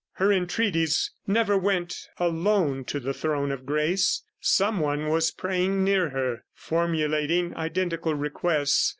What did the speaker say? Her entreaties never went alone to the throne of grace. Someone was praying near her, formulating identical requests.